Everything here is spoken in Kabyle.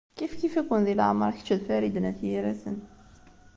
Kifkif-iken di leɛmeṛ kečč d Farid n At Yiraten.